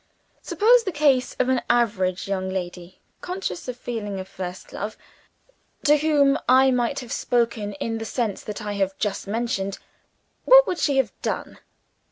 Suppose the case of an average young lady (conscious of feeling a first love) to whom I might have spoken in the sense that I have just mentioned what would she have done?